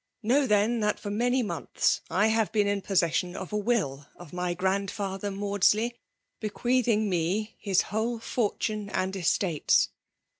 Know, then, that for many months I have been in. possession of a. will of my grandfather Maudsley, bequeathing me his whole fortune and estates.